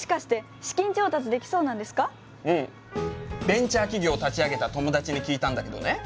ベンチャー企業を立ち上げた友達に聞いたんだけどね